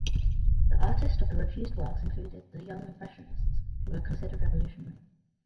The artists of the refused works included the young Impressionists, who were considered revolutionary.